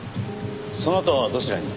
そのあとはどちらに？